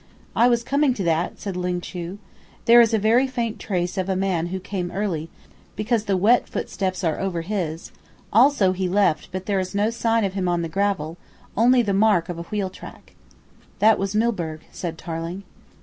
"I was coming to that," said Ling Chu. "There is a very faint trace of a man who came early, because the wet footsteps are over his; also he left, but there is no sign of him on the gravel, only the mark of a wheel track." "That was Milburgh," said Tarling.